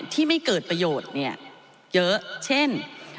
ที่ไม่เกิดประโยชน์เยอะเช่น